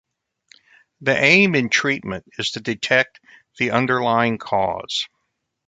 The aim in treatment is to detect the underlying cause.